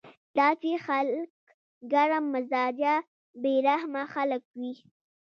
داسې خلک ګرم مزاجه بې رحمه خلک وي